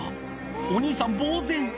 お兄さん、ぼう然。